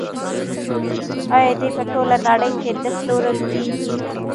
آیا دوی په ټوله نړۍ کې نه پلورل کیږي؟